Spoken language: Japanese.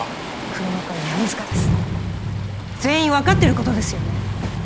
黒幕は弓塚です全員分かってることですよね